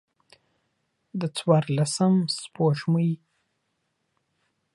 د څوارلسم سپوږمۍ